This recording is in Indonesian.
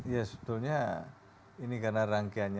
ya sebetulnya ini karena rangkaiannya